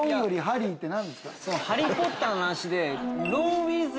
『ハリー・ポッター』の話で。